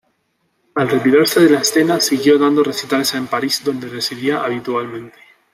Al retirarse de la escena, siguió dando recitales en París donde residía habitualmente.